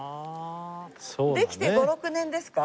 できて５６年ですか？